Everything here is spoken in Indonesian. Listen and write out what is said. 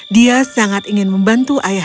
dia sangat ingin membantu ayahnya